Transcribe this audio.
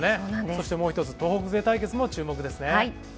そしてもうひとつ、東北勢対決も注目ですね。